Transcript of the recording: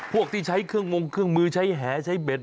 พวกที่ใช้เครื่องมงเครื่องมือใช้แหใช้เบ็ด